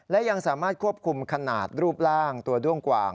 และยังสามารถควบคุมขนาดรูปร่างตัวด้วงกว่าง